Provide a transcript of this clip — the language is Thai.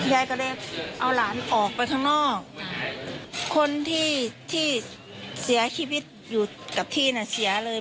ยายก็เลยเอาหลานออกไปข้างนอกคนที่ที่เสียชีวิตอยู่กับพี่น่ะเสียเลย